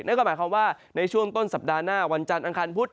นั่นก็หมายความว่าในช่วงต้นสัปดาห์หน้าวันจันทร์อังคารพุธ